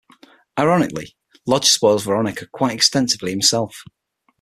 Ironically, Lodge spoils Veronica quite extensively himself.